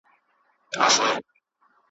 خدایه یو لا انارګل درڅخه غواړو ,